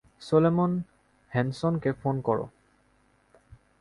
Solomon, হ্যানসনকে phone করো।